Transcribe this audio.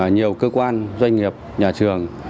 nhiều cơ quan doanh nghiệp nhà trường